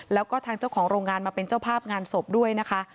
แล้วก็ทางเจ้าของโรงงานมาเป็นเจ้าภาพงานศพด้วยนะคะ